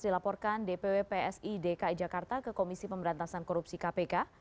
dilaporkan dpw psi dki jakarta ke komisi pemberantasan korupsi kpk